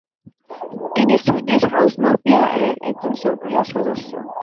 তিনি Swedish House Mafia এর একজন সক্রিয় সদস্য।